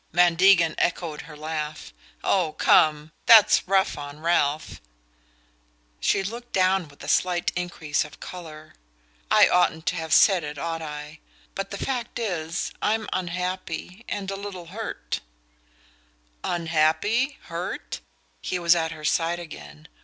Van Degen echoed her laugh. "Oh, come that's rough on Ralph!" She looked down with a slight increase of colour. "I oughtn't to have said it, ought I? But the fact is I'm unhappy and a little hurt " "Unhappy? Hurt?" He was at her side again.